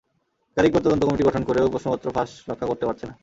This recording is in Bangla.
একাধিকবার তদন্ত কমিটি গঠন করেও প্রশ্নপত্র ফাঁস রক্ষা করতে পারছে না।